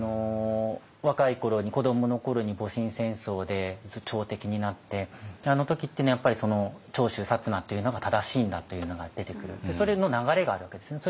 若い頃に子どもの頃に戊辰戦争で朝敵になってあの時っていうのはやっぱり長州薩摩っていうのが正しいんだというのが出てくるそれの流れがあるわけですよね。